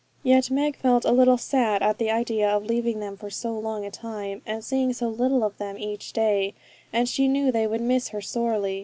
Yet Meg felt a little sad at the idea of leaving them for so long a time, and seeing so little of them each day, and she knew they would miss her sorely.